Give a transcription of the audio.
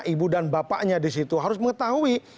ibu dan bapaknya di situ harus mengetahui